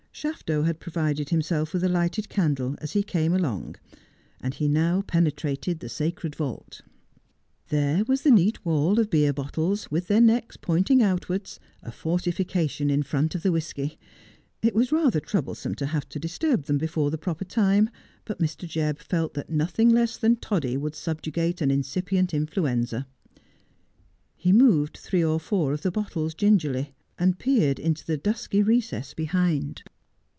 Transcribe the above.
Shafto had provided himself with a lighted candle as he came along, and he now penetrated the sacred vault. There wns the neat wall of beer bottles, with their necks pointing outwards, a fortification in front of the whisky. It was rather troublesome to have to disturb them before the proper time, but Mr. Jebb felt that nothing less than toddy would sub jugate an incipient influenza. He moved three or four of the bottles gingerly, and peered into the dusky recess behind.